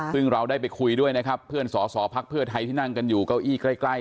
ซึ่งเราได้ไปคุยด้วยนะครับเพื่อนสอสอพักเพื่อไทยที่นั่งกันอยู่เก้าอี้ใกล้